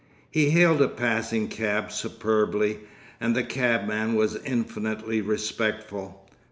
He hailed a passing cab superbly, and the cabman was infinitely respectful.